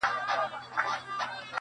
خو په بل جهان کی ستر قوي پوځونه،